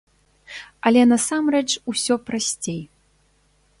Але насамрэч усё прасцей.